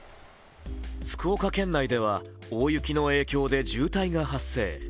福岡県内では大雪の影響で渋滞が発生。